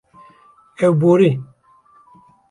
Ew borî.